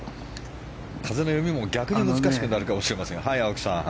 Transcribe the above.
風の読みも逆に難しくなるかもしれませんが。